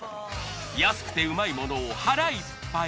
安くてうまいものを腹いっぱい。